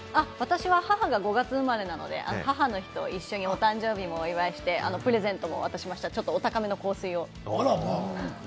私は母が５月生まれなので母の日と一緒にお誕生日もお祝いして、プレゼントも渡しました、お高めの香水を。